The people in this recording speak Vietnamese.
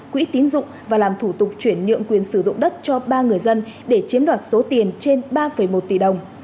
quỹ tín dụng và làm thủ tục chuyển nhượng quyền sử dụng đất cho ba người dân để chiếm đoạt số tiền trên ba một tỷ đồng